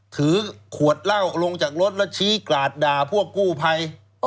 ถือขวดเหล้าลงจากรถแล้วชี้กราดด่าพวกกู้ภัย